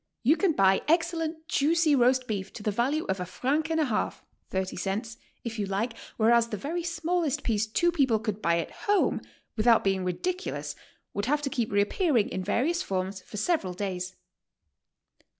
"You can buy excellent, juicy roast beef to the value of a franc and a half (30 cents), if you like, whereas the very smallest piece two people could buy at home, without being ridiculous, would have to keep reappearing in various forms for sevenal days.